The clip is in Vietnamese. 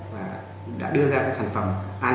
và đã đưa ra các sản phẩm